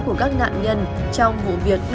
của các nạn nhân trong vụ việc